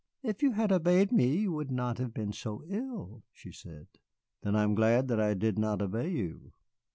"If you had obeyed me you would not have been so ill," she said. "Then I am glad that I did not obey you."